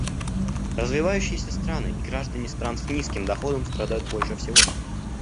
Развивающиеся страны и граждане стран с низким доходом страдают больше всего.